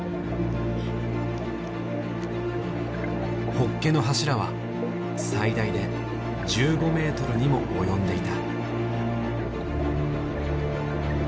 ホッケの柱は最大で１５メートルにも及んでいた。